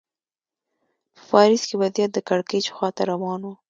په پاریس کې وضعیت د کړکېچ خوا ته روان و.